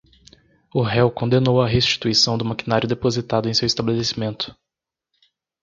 O réu condenou a restituição do maquinário depositado em seu estabelecimento.